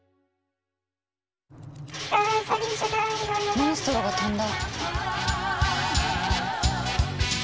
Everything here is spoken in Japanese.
モンストロが飛んだ。